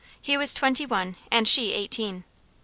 He was twenty one, and she eighteen.